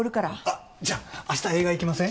あっじゃあ明日映画行きません？